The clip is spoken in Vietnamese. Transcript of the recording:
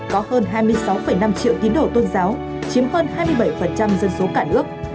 có hơn hai mươi sáu năm triệu tín đồ tôn giáo chiếm hơn hai mươi bảy dân số cả nước